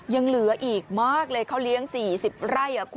ยังเหลืออีกมากเลยเขาเลี้ยง๔๐ไร่